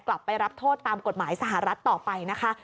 กลับไปรับโทษตามกฎหมายสหรัฐต่อไปนะคะ